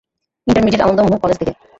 Intermediate Ananda Mohan college থেকে।